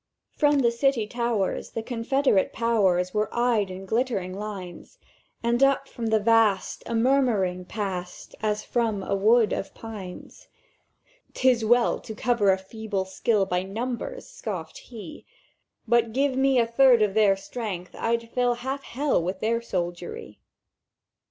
"From the City towers the Confederate Powers Were eyed in glittering lines, And up from the vast a murmuring passed As from a wood of pines. "''Tis well to cover a feeble skill By numbers!' scoffèd He; 'But give me a third of their strength, I'd fill Half Hell with their soldiery!